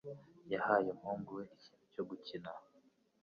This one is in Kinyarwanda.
yahaye umuhungu we ikintu cyo gukina.